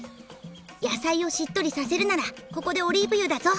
やさいをしっとりさせるならここでオリーブ油だぞ。